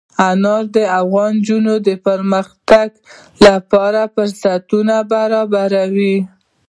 انار د افغان نجونو د پرمختګ لپاره فرصتونه برابروي.